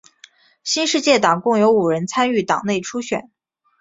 新世界党共有五人参与党内初选。